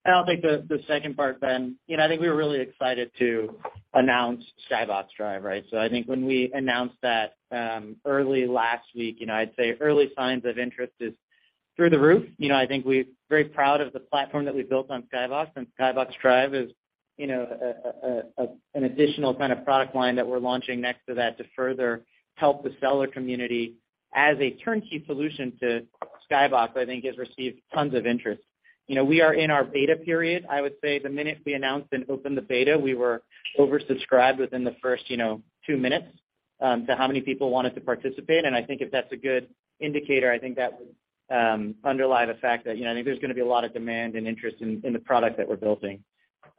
Speaker 3: I'll take the second part, Ben. You know, I think we were really excited to announce Skybox Drive, right? I think when we announced that early last week, you know, I'd say early signs of interest is through the roof. You know, I think we're very proud of the platform that we've built on Skybox, and Skybox Drive is, you know, an additional kind of product line that we're launching next to that to further help the seller community as a turnkey solution to Skybox, I think has received tons of interest. You know, we are in our beta period. I would say the minute we announced and opened the beta, we were oversubscribed within the first, you know, two minutes to how many people wanted to participate. I think if that's a good indicator, I think that would underlie the fact that, you know, I think there's gonna be a lot of demand and interest in the product that we're building.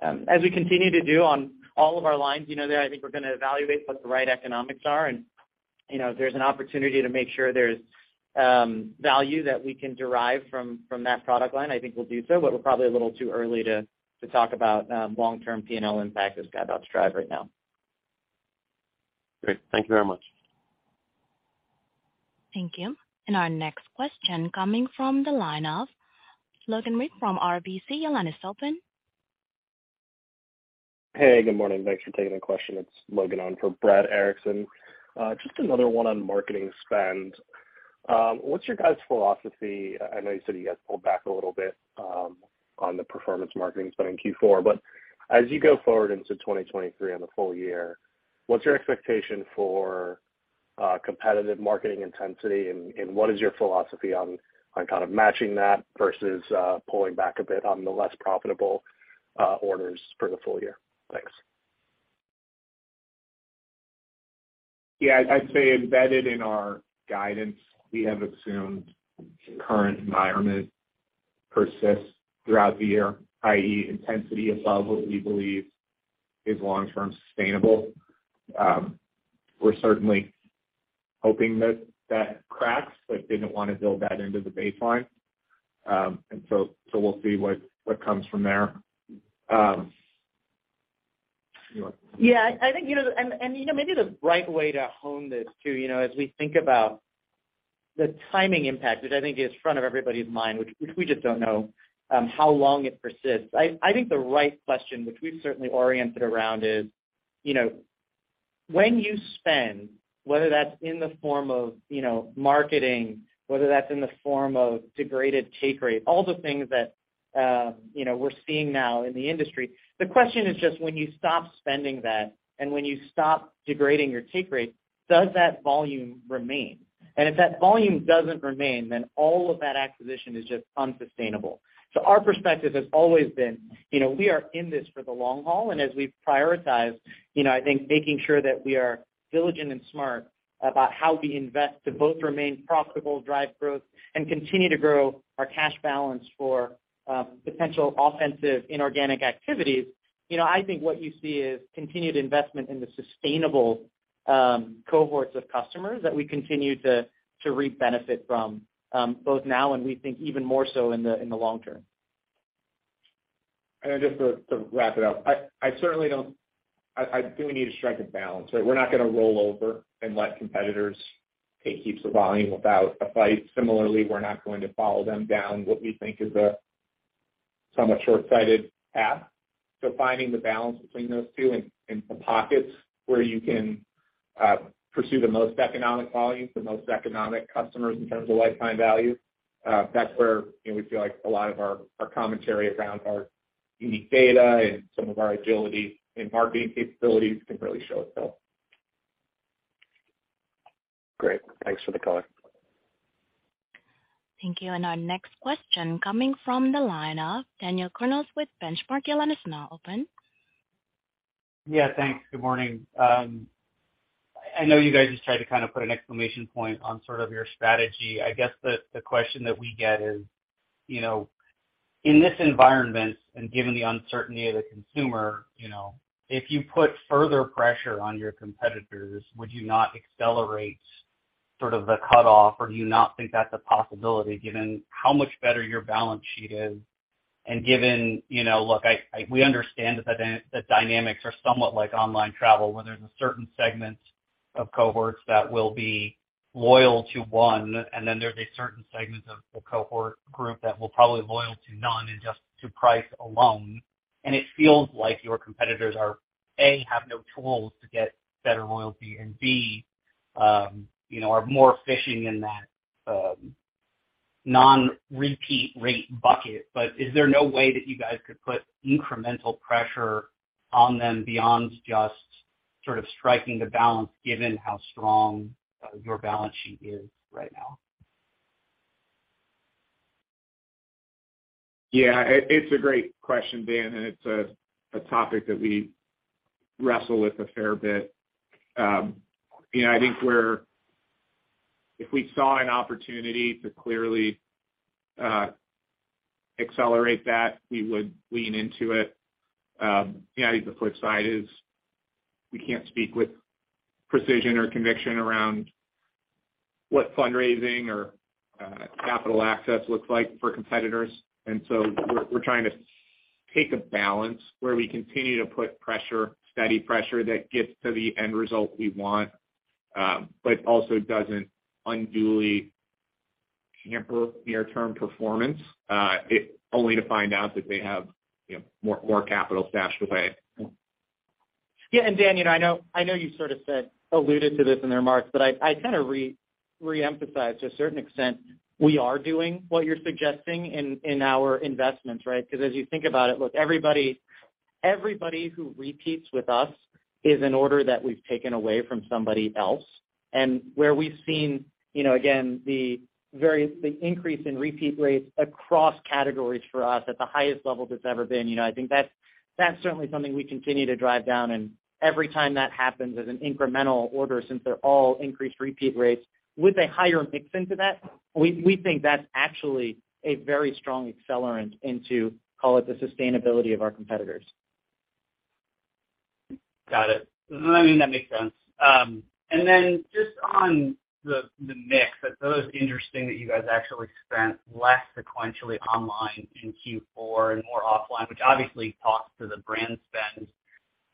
Speaker 3: As we continue to do on all of our lines, you know, that I think we're gonna evaluate what the right economics are. You know, if there's an opportunity to make sure there's value that we can derive from that product line, I think we'll do so. We're probably a little too early to talk about long-term P&L impact of Skybox Drive right now.
Speaker 10: Great. Thank you very much.
Speaker 1: Thank you. Our next question coming from the line of Logan Reich from RBC. Your line is open.
Speaker 11: Hey, good morning. Thanks for taking the question. It's Logan on for Brad Erickson. Just another one on marketing spend. What's your guys' philosophy? I know you said you guys pulled back a little bit on the performance marketing spend in Q4. As you go forward into 2023 on the full year, what's your expectation for competitive marketing intensity and what is your philosophy on kind of matching that versus pulling back a bit on the less profitable orders for the full year? Thanks.
Speaker 4: Yeah, I'd say embedded in our guidance, we have assumed current environment persists throughout the year, i.e., intensity above what we believe is long term sustainable. We're certainly hoping that that cracks, but didn't wanna build that into the baseline. We'll see what comes from there.
Speaker 3: I think, you know, maybe the right way to hone this too, you know, as we think about the timing impact, which I think is front of everybody's mind, which we just don't know how long it persists. I think the right question, which we've certainly oriented around, is, you know, when you spend, whether that's in the form of, you know, marketing, whether that's in the form of degraded take rate, all the things that, you know, we're seeing now in the industry, the question is just when you stop spending that and when you stop degrading your take rate, does that volume remain? If that volume doesn't remain, then all of that acquisition is just unsustainable. Our perspective has always been, you know, we are in this for the long haul, and as we've prioritized, you know, I think making sure that we are diligent and smart about how we invest to both remain profitable, drive growth, and continue to grow our cash balance for potential offensive inorganic activities. You know, I think what you see is continued investment in the sustainable cohorts of customers that we continue to reap benefit from both now and we think even more so in the long term.
Speaker 4: Just to wrap it up, I think we need to strike a balance, right? We're not gonna roll over and let competitors take heaps of volume without a fight. Similarly, we're not going to follow them down what we think is a somewhat short-sighted path. Finding the balance between those two and the pockets where you can pursue the most economic volume, the most economic customers in terms of lifetime value, that's where, you know, we feel like a lot of our commentary around our unique data and some of our agility and marketing capabilities can really show itself.
Speaker 11: Great. Thanks for the color.
Speaker 1: Thank you. Our next question coming from the line of Daniel Kurnos with Benchmark. Your line is now open.
Speaker 12: Yeah, thanks. Good morning. I know you guys just tried to kind of put an exclamation point on sort of your strategy. I guess the question that we get is, you know, in this environment and given the uncertainty of the consumer, you know, if you put further pressure on your competitors, would you not accelerate sort of the cutoff? Do you not think that's a possibility given how much better your balance sheet is and given, you know, look, we understand that the dynamics are somewhat like online travel, where there's a certain segment of cohorts that will be loyal to one, and then there's a certain segment of the cohort group that will probably loyal to none and just to price alone? It feels like your competitors are, A, have no tools to get better loyalty, and B, you know, are more fishing in that non-repeat rate bucket. Is there no way that you guys could put incremental pressure on them beyond just sort of striking the balance given how strong your balance sheet is right now?
Speaker 4: It's a great question, Dan, and it's a topic that we wrestle with a fair bit. You know, I think if we saw an opportunity to clearly accelerate that, we would lean into it. You know, I think the flip side is we can't speak with precision or conviction around what fundraising or capital access looks like for competitors. We're trying to take a balance where we continue to put pressure, steady pressure that gets to the end result we want, but also doesn't unduly hamper near-term performance, only to find out that they have, you know, more capital stashed away.
Speaker 3: Yeah. Dan, you know, I know, I know you sort of said, alluded to this in the remarks, but I kind of re-emphasize to a certain extent, we are doing what you're suggesting in our investments, right? As you think about it, look, everybody who repeats with us is an order that we've taken away from somebody else. Where we've seen, you know, again, the increase in repeat rates across categories for us at the highest level that's ever been, you know, I think that's certainly something we continue to drive down. Every time that happens is an incremental order since they're all increased repeat rates with a higher mix into that. We think that's actually a very strong accelerant into, call it, the sustainability of our competitors.
Speaker 12: Got it. No, I mean, that makes sense. Then just on the mix, I thought it was interesting that you guys actually spent less sequentially online in Q4 and more offline, which obviously talks to the brand spend.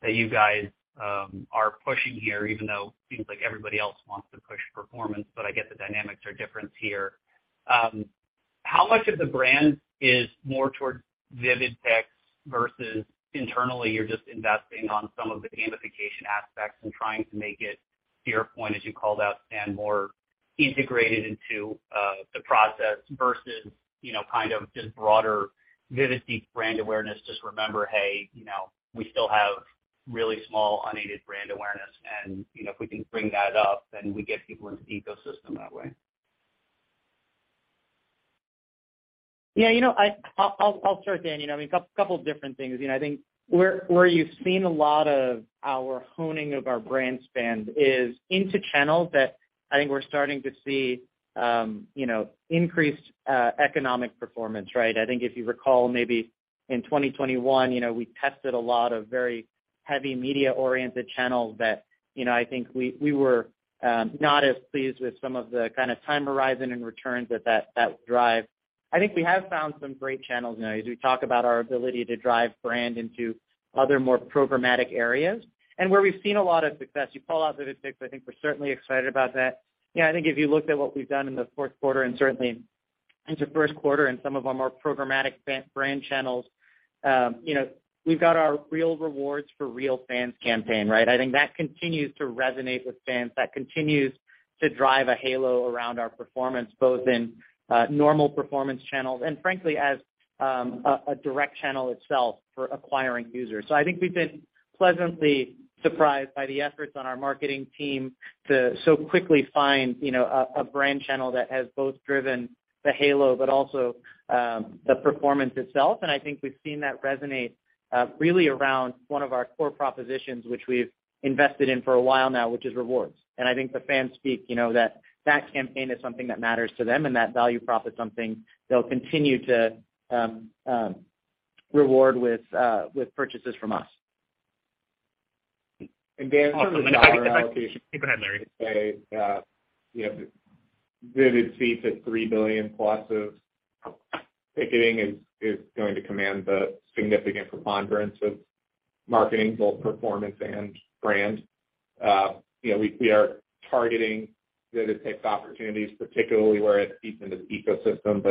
Speaker 12: That you guys are pushing here, even though it seems like everybody else wants to push performance, but I get the dynamics are different here. How much of the brand is more towards Vivid Seats versus internally you're just investing on some of the gamification aspects and trying to make it your point, as you called out, Stan, more integrated into the process versus, you know, kind of just broader Vivid Seats brand awareness, just remember, hey, you know, we still have really small unaided brand awareness, and, you know, if we can bring that up, then we get people into the ecosystem that way?
Speaker 3: Yeah, you know, I'll start, Dan. You know, I mean, a couple different things. You know, I think where you've seen a lot of our honing of our brand spend is into channels that I think we're starting to see, you know, increased economic performance, right? I think if you recall, maybe in 2021, you know, we tested a lot of very heavy media-oriented channels that, you know, I think we were not as pleased with some of the kind of time horizon and returns that drive. I think we have found some great channels now as we talk about our ability to drive brand into other more programmatic areas and where we've seen a lot of success. You called out Vivid Seats. I think we're certainly excited about that. You know, I think if you looked at what we've done in the fourth quarter and certainly into first quarter and some of our more programmatic brand channels, you know, we've got our Real Rewards for Real Fans campaign, right? I think that continues to resonate with fans, that continues to drive a halo around our performance, both in normal performance channels and frankly, as a direct channel itself for acquiring users. I think we've been pleasantly surprised by the efforts on our marketing team to so quickly find, you know, a brand channel that has both driven the halo but also the performance itself. I think we've seen that resonate really around one of our core propositions, which we've invested in for a while now, which is rewards. I think the fans speak, you know, that campaign is something that matters to them and that value prop is something they'll continue to reward with purchases from us. Dan, from a dollar allocation. Go ahead, Larry. Go ahead, Larry.
Speaker 4: Say, you know, Vivid Seats at $3 billion plus of ticketing is going to command the significant preponderance of marketing, both performance and brand. You know, we are targeting Vivid Seats opportunities, particularly where it feeds into the ecosystem.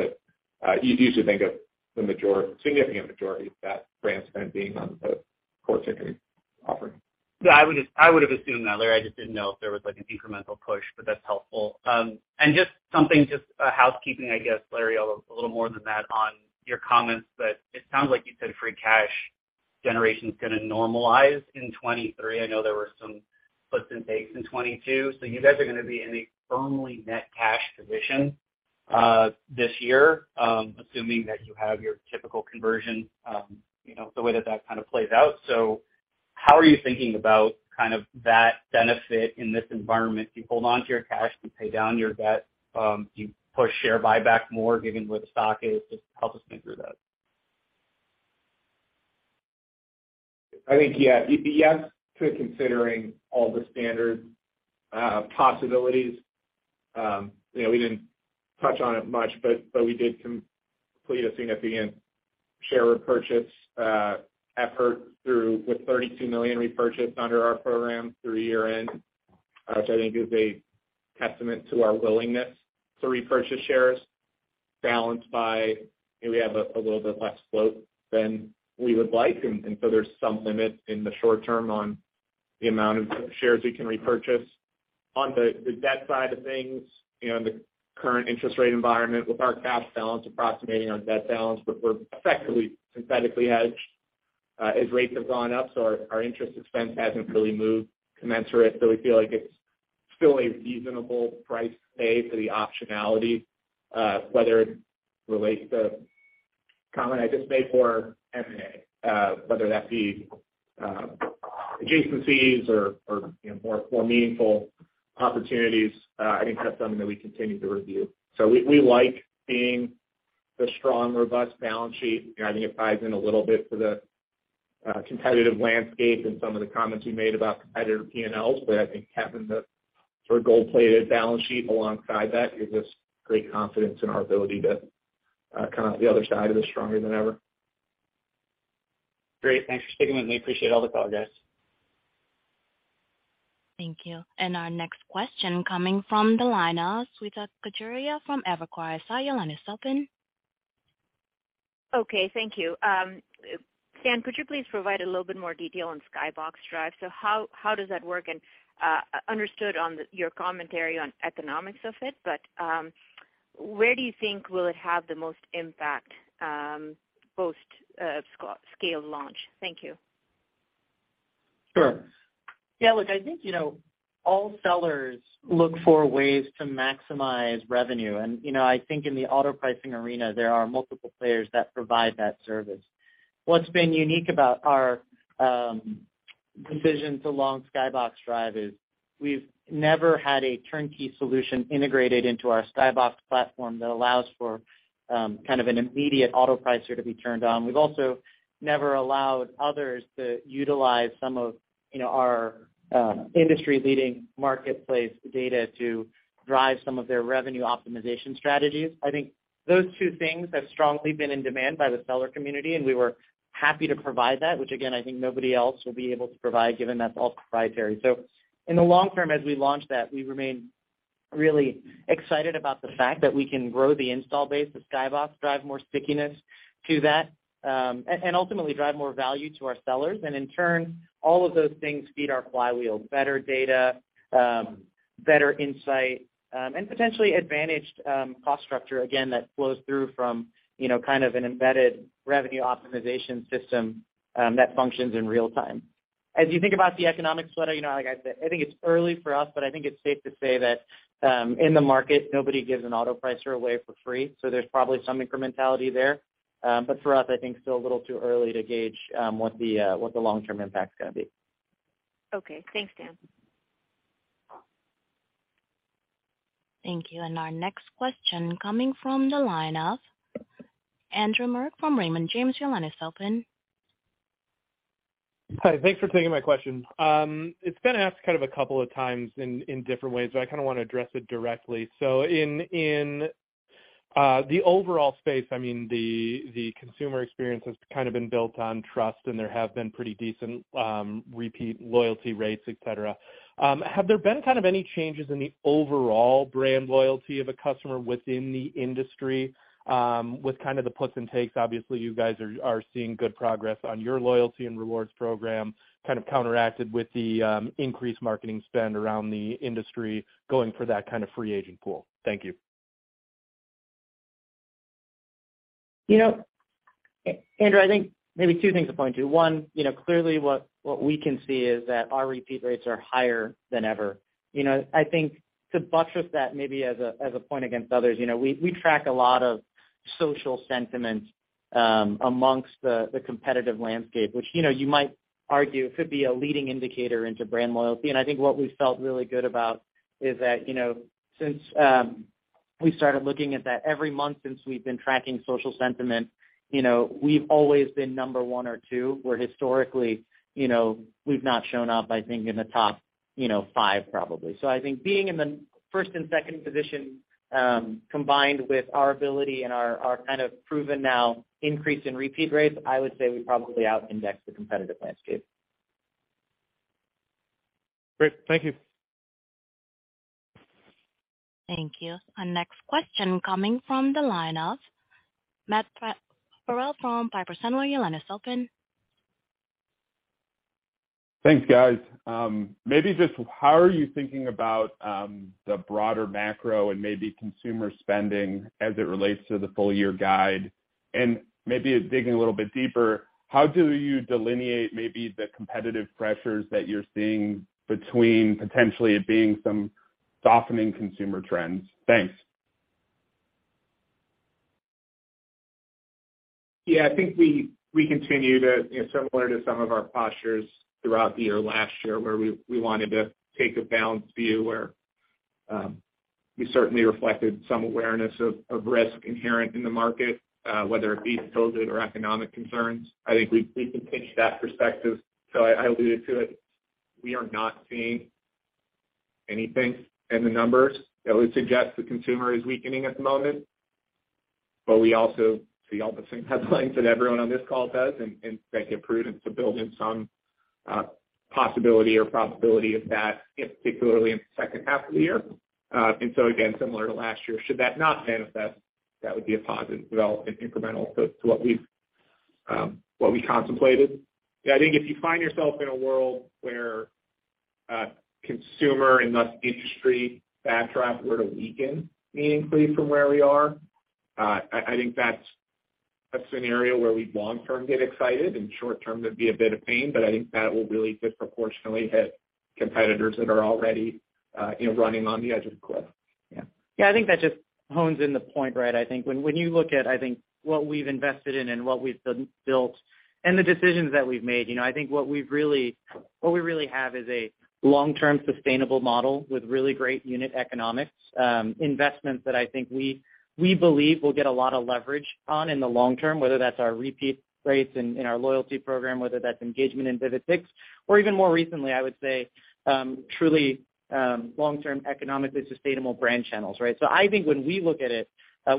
Speaker 4: you'd usually think of the significant majority of that brand spend being on the core ticketing offering.
Speaker 12: Yeah, I would've assumed that, Larry. I just didn't know if there was, like, an incremental push. That's helpful. Just something housekeeping, I guess, Larry, a little more than that on your comments. It sounds like you said free cash generation's gonna normalize in 23. I know there were some puts and takes in 22. You guys are gonna be in a firmly net cash position this year, assuming that you have your typical conversion, you know, the way that kind of plays out. How are you thinking about kind of that benefit in this environment? Do you hold onto your cash? Do you pay down your debt? Do you push share buyback more given where the stock is? Just help us think through that.
Speaker 4: I think, yeah, yes to considering all the standard possibilities. You know, we didn't touch on it much, but we did complete a significant share repurchase effort through with $32 million repurchased under our program through year-end, which I think is a testament to our willingness to repurchase shares balanced by maybe we have a little bit less float than we would like. So there's some limit in the short term on the amount of shares we can repurchase. On the debt side of things, you know, in the current interest rate environment with our cash balance approximating our debt balance, but we're effectively synthetically hedged. As rates have gone up, so our interest expense hasn't really moved commensurate. We feel like it's still a reasonable price pay for the optionality, whether it relates to the comment I just made for M&A, whether that be, adjacencies or, you know, more meaningful opportunities. I think that's something that we continue to review. We like seeing the strong, robust balance sheet. You know, I think it ties in a little bit to the competitive landscape and some of the comments we made about competitor P&Ls, but I think having the sort of gold-plated balance sheet alongside that gives us great confidence in our ability to come out the other side of this stronger than ever.
Speaker 12: Great. Thanks for sticking with me. Appreciate all the color, guys.
Speaker 1: Thank you. Our next question coming from the line of Shweta Khajuria from Evercore. Siya line is open.
Speaker 13: Okay, thank you. Dan, could you please provide a little bit more detail on Skybox Drive? How does that work? Understood on your commentary on economics of it, but where do you think will it have the most impact post scale launch? Thank you.
Speaker 3: Sure. Yeah, look, I think, you know, all sellers look for ways to maximize revenue. You know, I think in the auto pricing arena, there are multiple players that provide that service. What's been unique about our decision to launch Skybox Drive is we've never had a turnkey solution integrated into our Skybox platform that allows for kind of an immediate auto pricer to be turned on. We've also never allowed others to utilize You know, our industry-leading marketplace data to drive some of their revenue optimization strategies. I think those two things have strongly been in demand by the seller community, and we were happy to provide that, which again, I think nobody else will be able to provide, given that's all proprietary. In the long term, as we launch that, we remain really excited about the fact that we can grow the install base of Skybox, drive more stickiness to that, and ultimately drive more value to our sellers. In turn, all of those things feed our flywheel better data, better insight, and potentially advantaged cost structure again, that flows through from, you know, kind of an embedded revenue optimization system, that functions in real time. As you think about the economic Shweta, you know, like I said, I think it's early for us, but I think it's safe to say that, in the market, nobody gives an auto pricer away for free, so there's probably some incrementality there. But for us, I think it's still a little too early to gauge what the long-term impact's gonna be.
Speaker 11: Okay. Thanks, Dan.
Speaker 1: Thank you. Our next question coming from the line of Andrew Marok from Raymond James. Your line is open.
Speaker 14: Hi. Thanks for taking my question. It's been asked kind of a couple of times in different ways, but I kinda wanna address it directly. In, in the overall space, I mean, the consumer experience has kind of been built on trust, and there have been pretty decent repeat loyalty rates, et cetera. Have there been kind of any changes in the overall brand loyalty of a customer within the industry, with kind of the puts and takes? Obviously, you guys are seeing good progress on your loyalty and rewards program, kind of counteracted with the increased marketing spend around the industry going for that kind of free agent pool. Thank you.
Speaker 3: You know, Andrew, I think maybe two things to point to. One, you know, clearly what we can see is that our repeat rates are higher than ever. You know, I think to buttress that maybe as a point against others, you know, we track a lot of social sentiment amongst the competitive landscape, which, you know, you might argue could be a leading indicator into brand loyalty. I think what we felt really good about is that, you know, since we started looking at that every month since we've been tracking social sentiment, you know, we've always been number one or two, where historically, you know, we've not shown up, I think, in the top five, probably. I think being in the first and second position, combined with our ability and our kind of proven now increase in repeat rates, I would say we probably outindex the competitive landscape.
Speaker 14: Great. Thank you.
Speaker 1: Thank you. Our next question coming from the line of Matthew Farrell from Piper Sandler. Your line is open.
Speaker 15: Thanks, guys. Maybe just how are you thinking about the broader macro and maybe consumer spending as it relates to the full year guide? Maybe digging a little bit deeper, how do you delineate maybe the competitive pressures that you're seeing between potentially it being some softening consumer trends? Thanks.
Speaker 4: I think we continue to, you know, similar to some of our postures throughout the year last year, where we wanted to take a balanced view where we certainly reflected some awareness of risk inherent in the market, whether it be COVID or economic concerns. I think we've continued that perspective. I alluded to it, we are not seeing anything in the numbers that would suggest the consumer is weakening at the moment, but we also see all the same headlines that everyone on this call does and I think it prudence to build in some possibility or probability of that, you know, particularly in the second half of the year. Again, similar to last year, should that not manifest, that would be a positive development incremental to what we've what we contemplated. I think if you find yourself in a world where consumer and thus industry backdrop were to weaken meaningfully from where we are, I think that's a scenario where we'd long term get excited and short term there'd be a bit of pain, but I think that will really disproportionately hit competitors that are already, you know, running on the edge of a cliff.
Speaker 3: Yeah. Yeah, I think that just hones in the point, right? I think when you look at, I think what we've invested in and what we've built and the decisions that we've made, you know, What we really have is a long-term sustainable model with really great unit economics, investments that I think we believe will get a lot of leverage on in the long term, whether that's our repeat rates in our loyalty program, whether that's engagement in Vivid Picks, or even more recently, I would say, truly, long-term economically sustainable brand channels, right? I think when we look at it,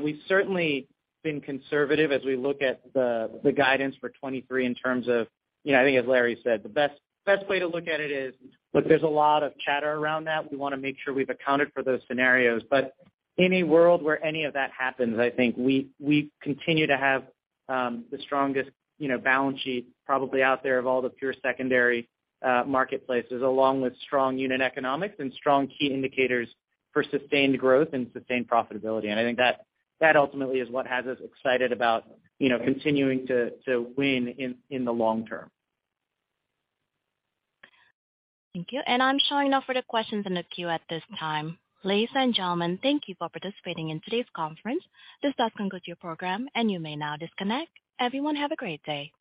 Speaker 3: we've certainly been conservative as we look at the guidance for 2023 in terms of, you know, I think as Larry said, the best way to look at it is, look, there's a lot of chatter around that. We wanna make sure we've accounted for those scenarios. Any world where any of that happens, I think we continue to have the strongest, you know, balance sheet probably out there of all the pure secondary marketplaces, along with strong unit economics and strong key indicators for sustained growth and sustained profitability. I think that ultimately is what has us excited about, you know, continuing to win in the long term.
Speaker 1: Thank you. I'm showing no further questions in the queue at this time. Ladies and gentlemen, thank you for participating in today's conference. This does conclude your program, and you may now disconnect. Everyone, have a great day.